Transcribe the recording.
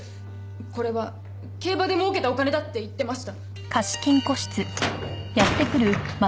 これは競馬でもうけたお金だって言ってました。